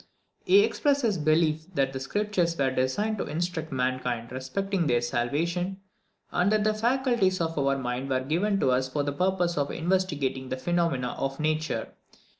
He expresses his belief that the Scriptures were designed to instruct mankind respecting their salvation, and that the faculties of our minds were given us for the purpose of investigating the phenomena of nature.